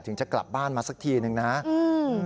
จะกลับบ้านมาสักทีหนึ่งนะอืม